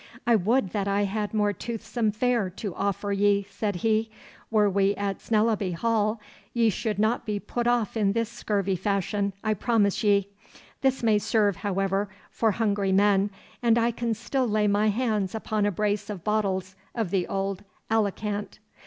'I would that I had more toothsome fare to offer ye,' said he. 'Were we at Snellaby Hall, ye should not be put off in this scurvy fashion, I promise ye. This may serve, however, for hungry men, and I can still lay my hands upon a brace of bottles of the old Alicant.